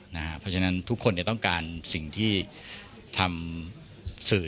เพราะฉะนั้นทุกคนต้องการสิ่งที่ทำสื่อ